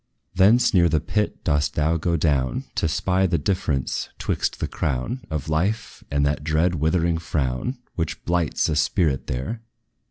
Thence, near the pit dost thou go down, To spy the difference 'twixt the crown Of life, and that dread withering frown, Which blights a spirit there.